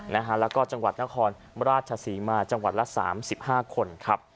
และจังหวัดนครราชสีมาจังหวัดละ๓๕คน